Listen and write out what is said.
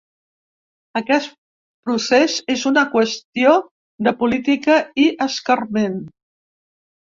Aquest procés és una qüestió de política i escarment.